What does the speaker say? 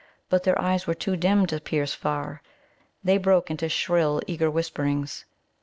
But their eyes were too dim to pierce far. They broke into shrill, eager whisperings.